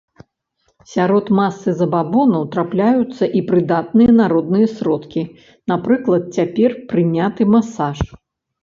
Сярод масы забабонаў трапляюцца і прыдатныя народныя сродкі, напрыклад цяпер прыняты масаж.